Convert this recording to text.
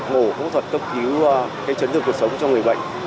mổ phẫu thuật cấp cứu cái chấn thương cuộc sống cho người bệnh